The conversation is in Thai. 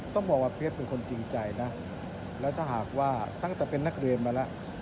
ต้องบอกว่าเปี๊ยกเป็นคนจริงใจนะแล้วถ้าหากว่าตั้งแต่เป็นนักเรียนมาแล้ว